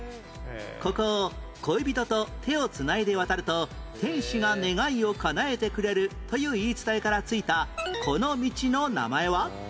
ここを恋人と手を繋いで渡ると天使が願いをかなえてくれるという言い伝えから付いたこの道の名前は？